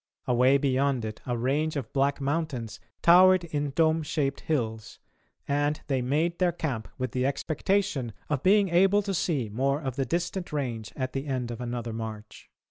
Away beyond it, a range of black mountains towered in dome shaped hills, and they made their camp with the expectation of being able to see more of the distant range at the end of another march.